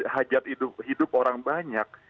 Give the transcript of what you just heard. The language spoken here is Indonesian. hajat hidup orang banyak